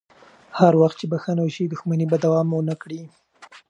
هر وخت چې بخښنه وشي، دښمني به دوام ونه کړي.